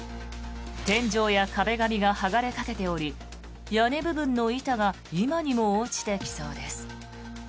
天井や壁紙が剥がれかけており屋根部分の板が今にも落ちてきそうです。